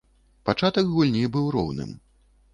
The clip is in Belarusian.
Пачатак гульні быў роўным.